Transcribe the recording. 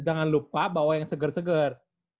jangan lupa bawa yang seger seger